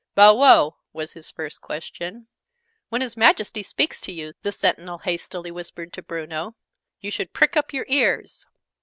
"Bow wow?" was his first question. "When His Majesty speaks to you," the Sentinel hastily whispered to Bruno, "you should prick up your ears!"